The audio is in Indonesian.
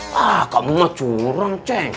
wah kamu mau curang ceng